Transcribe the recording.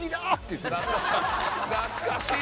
懐かしい。